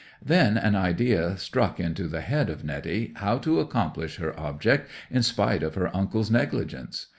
'Then an idea struck into the head of Netty how to accomplish her object in spite of her uncle's negligence.